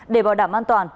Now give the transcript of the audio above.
để bảo đảm an toàn